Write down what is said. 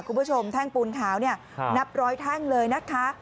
คุณผู้ชมแท่งปูนขาวเนี่ยค่ะนับร้อยแท่งเลยนะคะ